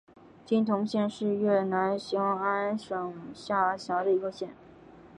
金洞县是越南兴安省下辖的一个县。